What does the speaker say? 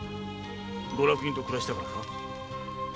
ご落胤と暮らしたからか？